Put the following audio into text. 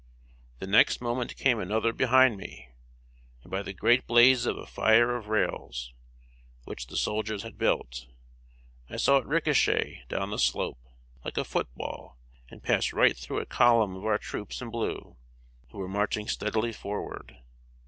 The next moment came another behind me, and by the great blaze of a fire of rails, which the soldiers had built, I saw it ricochet down the slope, like a foot ball, and pass right through a column of our troops in blue, who were marching steadily forward.